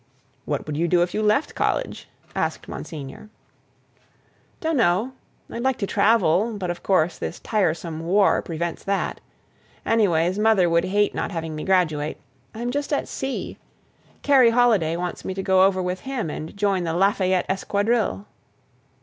"What would you do if you left college?" asked Monsignor. "Don't know. I'd like to travel, but of course this tiresome war prevents that. Anyways, mother would hate not having me graduate. I'm just at sea. Kerry Holiday wants me to go over with him and join the Lafayette Esquadrille."